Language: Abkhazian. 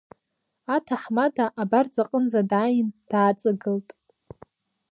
Аҭаҳмада абарҵаҟынӡа дааин, дааҵагылт.